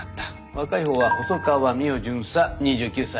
若い方は細川未央巡査２９歳。